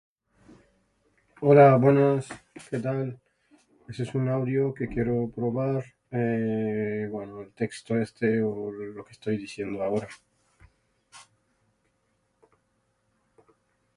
Es casi circular, con forma de tazón.